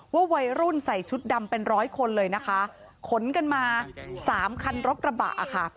ว่าวัยรุ่นใส่ชุดดำเป็นร้อยคนเลยนะคะขนกันมาสามคันรถกระบะค่ะ